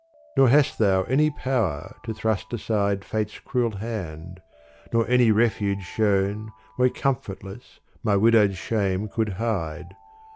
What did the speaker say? Nor hast thou any power to thrust aside Fate's cruel hand, nor any refuge shewn Where comfortless my widowed shame could hide.